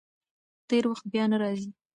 تېر وخت بیا نه راځي.